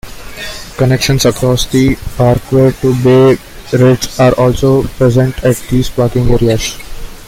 Connections across the parkway to Bay Ridge are also present at these parking areas.